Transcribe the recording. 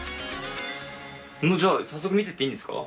じゃあ早速見てっていいんですか？